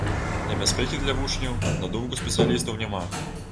Небяспекі для вучняў, на думку спецыялістаў, няма.